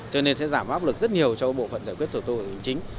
cho nên sẽ giảm áp lực rất nhiều cho bộ phận giải quyết thổ tư hành chính